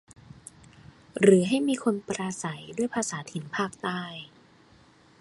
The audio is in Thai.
หรือให้มีคนปราศัยด้วยภาษาถิ่นภาคใต้